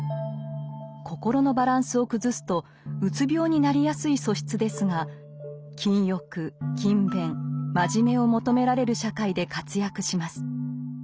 心のバランスを崩すとうつ病になりやすい素質ですが禁欲勤勉真面目を求められる社会で活躍します。